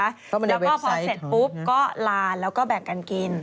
แล้วก็พอเสร็จปุ๊บก็ลานแล้วก็แบ่งกันกิน